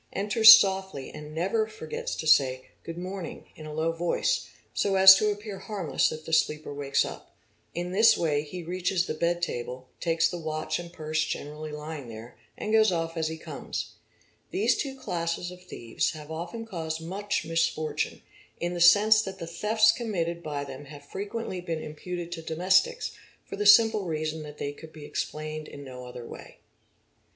enters softly and never forgets to say "good morning" in a low voice, so as to appear harmless if the sleeper wakes up; in this way he reaches the bed table, takes the watch and purse generally lying there, and goes off as he comes. These two classes of thieves have often caused _ much misfortune, in the sense that the thefts committed by them have frequently been imputed to domestics, for the simple reason that they _ could be explained in no other way.